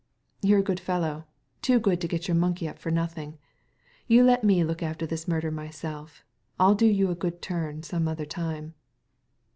"You're a good fellow — too good to get your monkey up for nothing. You let me look after this murder myself. I'll do you a good turn some other time."